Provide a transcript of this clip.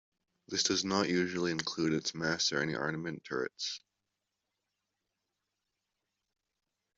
This does not usually include its masts or any armament turrets.